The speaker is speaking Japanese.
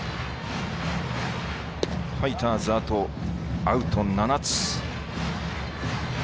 ファイターズはあとアウト７つ。